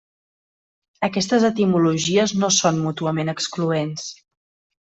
Aquestes etimologies no són mútuament excloents.